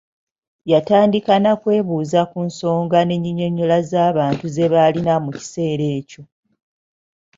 Yatandika n’akwebuuza ku nsonga ne nnyinyonnyola z’abantu ze baalina mu kiseera ekyo.